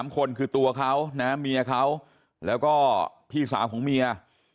๓คนคือตัวเขานะเมียเขาแล้วก็พี่สาวของเมีย